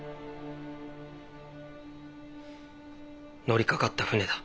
乗りかかった船だ。